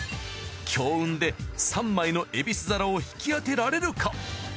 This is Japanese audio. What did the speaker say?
強運で３枚の蛭子皿を引き当てられるか？